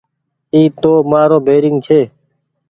اي تو مآرو بيرينگ ڇي۔